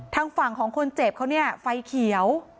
ทางฝั่งของคนเจ็บเขาเนี่ยไฟเขียว